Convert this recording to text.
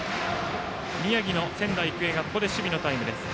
宮城の仙台育英がここで守備のタイムです。